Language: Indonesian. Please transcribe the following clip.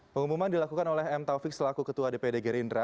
pengumuman dilakukan oleh m taufik selaku ketua dpd gerindra